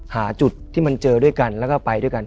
หาจุดที่มันเจอด้วยกันแล้วก็ไปด้วยกัน